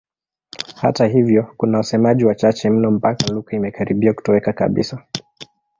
Hata hivyo kuna wasemaji wachache mno mpaka lugha imekaribia kutoweka kabisa.